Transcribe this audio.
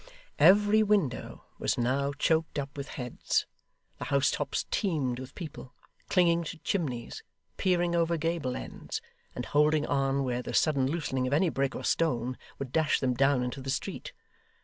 Every window was now choked up with heads; the house tops teemed with people clinging to chimneys, peering over gable ends, and holding on where the sudden loosening of any brick or stone would dash them down into the street.